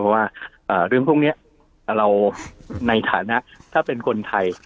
เพราะว่าเรื่องพวกนี้เราในฐานะถ้าเป็นคนไทย